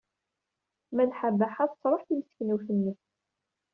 Malḥa Baḥa tesṛuḥ timseknewt-nnes.